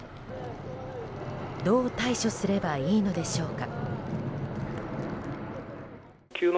どう対処すればいいのでしょうか。